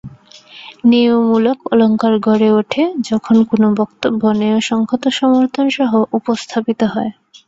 ন্যায়মূলক অলঙ্কার গড়ে ওঠে যখন কোনো বক্তব্য ন্যায়সঙ্গত সমর্থনসহ উপস্থাপিত হয়।